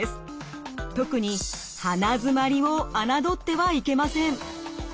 特に鼻づまりをあなどってはいけません。